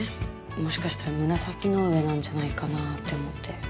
もしかしたら紫の上なんじゃないかなって思って。